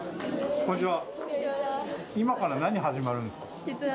こんにちは。